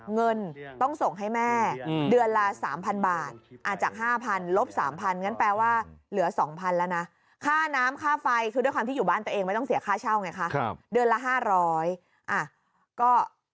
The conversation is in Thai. เงินต้องส่งให้แม่เดือนละ๓๐๐บาทจาก๕๐๐ลบ๓๐๐งั้นแปลว่าเหลือ๒๐๐แล้วนะค่าน้ำค่าไฟคือด้วยความที่อยู่บ้านตัวเองไม่ต้องเสียค่าเช่าไงคะเดือนละ๕๐๐ก็